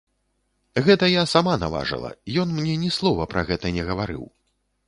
Гэта я сама наважыла, ён мне ні слова пра гэта не гаварыў.